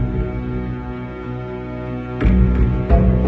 แม่งกลัว